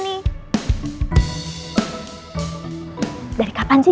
ntar lo juga tau